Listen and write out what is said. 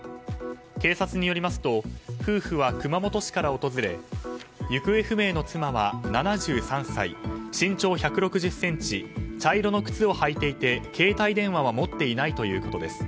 警察によりますと夫婦は熊本市から訪れ行方不明の妻は７３歳身長１６０ｃｍ茶色の靴を履いていて携帯電話は持っていないということです。